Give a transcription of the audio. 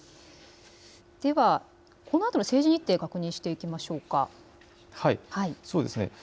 てはこのあとの政治日程確認していきましょうか。